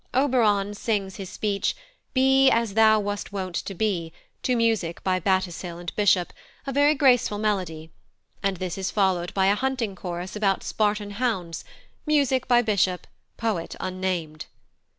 Oberon sings his speech, "Be as thou wast wont to be," to music by Battishill and Bishop, a very graceful melody; and this is followed by a hunting chorus about Spartan hounds, music by Bishop, poet unnamed.